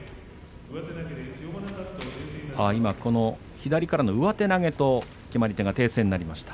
左からの上手投げと決まり手が訂正になりました。